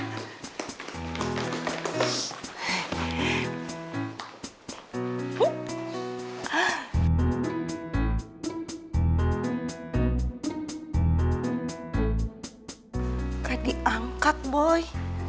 gak diangkat boy